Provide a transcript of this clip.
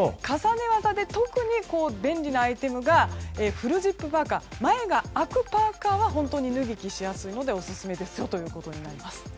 重ね技で特に便利なアイテムがフルジップパーカ前が開くパーカは本当に脱ぎ着しやすいのでオススメですよということになります。